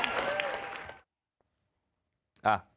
ขอบคุณครับ